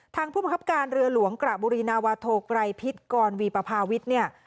ผู้บังคับการเรือหลวงกระบุรีนาวาโทไกรพิษกรวีปภาวิทย์เนี่ย